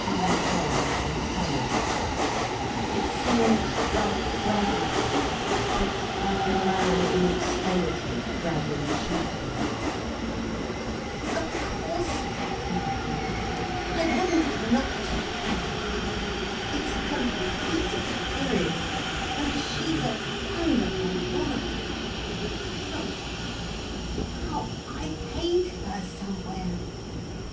He walked on in silence. It seemed like bragging, but like a man in extremity bragging truthfully. "Of course," he resumed, "I wouldn't not have had it! It's a complete experience. And she's a wonderful woman. But—how I hate her somewhere!